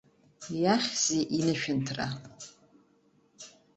Иахьзеи инышәынҭра?